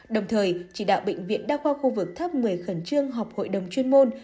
đồng thời chỉ đạo bệnh viện đa khoa khu vực tháp một mươi khẩn trương họp hội đồng chuyên môn